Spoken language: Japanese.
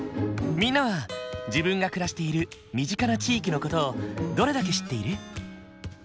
みんなは自分が暮らしている身近な地域の事をどれだけ知っている？